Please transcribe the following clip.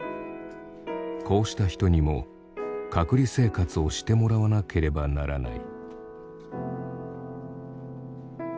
こうした人にも隔離生活をしてもらわなければならない。